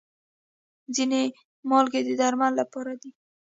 ځینې مالګې د درملنې لپاره دي.